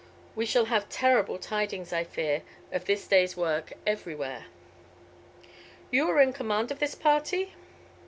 We shall have terrible tidings, I fear, of this day's work everywhere." "You are in command of this party?"